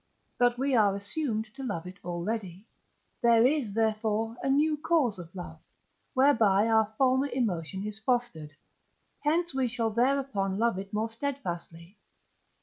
but we are assumed to love it already; there is, therefore, a new cause of love, whereby our former emotion is fostered; hence we shall thereupon love it more steadfastly.